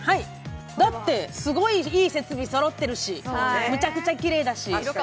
だって、すごいいい設備そろってるし、むちゃくちゃきれいだし。